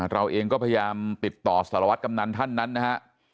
เราเองก็พยายามติดต่อศรวรรษกำนั้นท่านนะฮะ